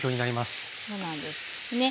そうなんですね。